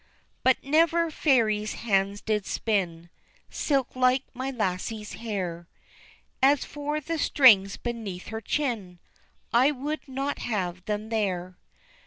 But never fairy hands did spin Silk like my lassie's hair, As for the strings beneath her chin I would not have them there.